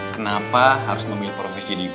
kenapa harus memilih profesi di guru